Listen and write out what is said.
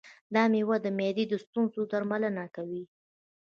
دا مېوه د معدې د ستونزو درملنه کوي.